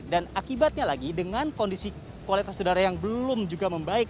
dan akibatnya lagi dengan kondisi kualitas udara yang belum juga membaik